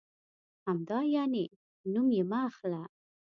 همدا یعنې؟ نوم یې مه اخله.